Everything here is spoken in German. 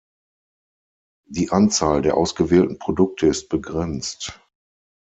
Die Anzahl der ausgewählten Produkte ist begrenzt.